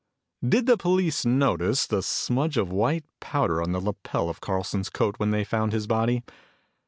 "Did the police notice the smudge of white powder on the lapel of Carlson's coat when they found his body?